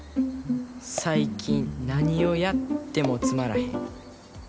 最近何をやってもつまらへん。